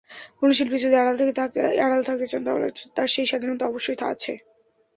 কোনো শিল্পী যদি আড়াল থাকতে চান, তাহলে তাঁর সেই স্বাধীনতা অবশ্যই আছে।